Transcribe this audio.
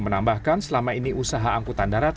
menambahkan selama ini usaha angkutan darat